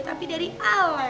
tapi dari ale